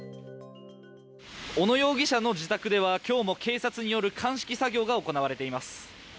小野容疑者の自宅では今日も警察による鑑識作業が行われています。